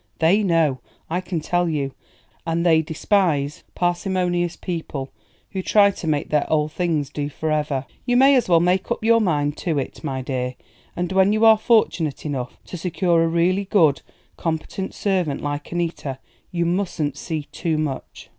They know, I can tell you, and they despise parsimonious people who try to make their old things do forever. You may as well make up your mind to it, my dear, and when you are fortunate enough to secure a really good, competent servant like Annita, you mustn't see too much."